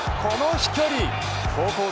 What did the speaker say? この飛距離。